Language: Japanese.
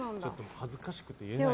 恥ずかしくて言えない。